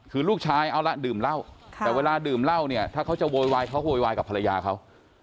คือลูกชายเอาละดื่มเหล้าแต่เวลาดื่มเหล้าเนี่ยถ้าเขาจะโวยวายเขาโวยวายกับภรรยาเขา